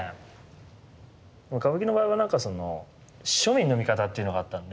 歌舞伎の場合はなんかその庶民の味方っていうのがあったんで。